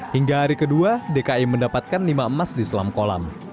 hingga hari kedua dki mendapatkan lima emas di selam kolam